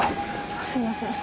すいません。